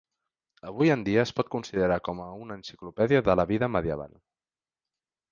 Avui en dia es pot considerar com a una enciclopèdia de la vida medieval.